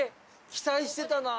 期待してたな。